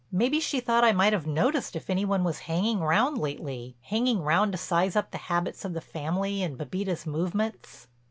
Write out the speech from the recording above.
"Maybe she thought I might have noticed if any one was hanging round lately—hanging round to size up the habits of the family and Bébita's movements."